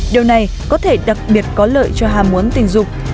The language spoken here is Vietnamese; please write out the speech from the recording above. điều này có thể đặc biệt có lợi cho hà muốn tình dục